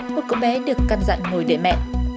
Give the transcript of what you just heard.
một con bé được căn dặn ngồi để mẹ